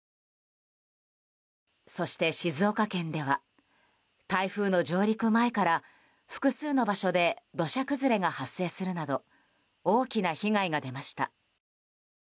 そして静岡県では台風の上陸前から複数の場所で土砂崩れが発生するなど大きな被害が出ました。